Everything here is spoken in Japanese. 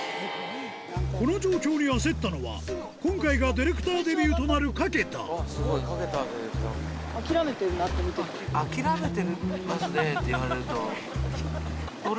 この状況に焦ったのは、今回がディレクターデビューとなる掛田。